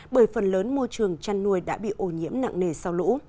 bởi phần lớn môi trường chăn nuôi đã bị ổ nhiễm nặng nề sau lũ